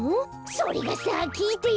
それがさきいてよ。